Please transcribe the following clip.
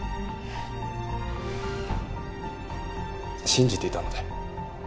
信じていたので。